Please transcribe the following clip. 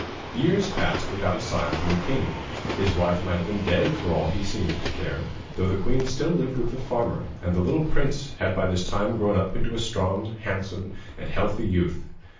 Years passed without a sign from the king. His wife might have been dead for all he seemed to care, though the queen still lived with the farmer, and the little prince had by this time grown up into a strong, handsome, and healthy youth.